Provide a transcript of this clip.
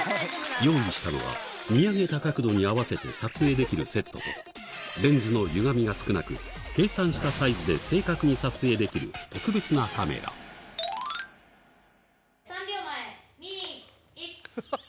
用意したのは見上げた角度に合わせて撮影できるセットとレンズのゆがみが少なく計算したサイズで正確に撮影できる特別なカメラ３秒前２・１。